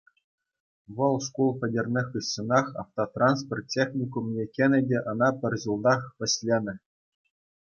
Вӑл шкул пӗтернӗ хыҫҫӑнах автотранспорт техникумне кӗнӗ те ӑна пӗр ҫултах вӗҫленӗ.